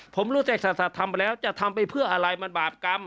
ผมรู้จักศาสัตว์ทำไปแล้วจะทำไปเพื่ออะไรมันบาปกรรม